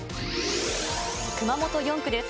熊本４区です。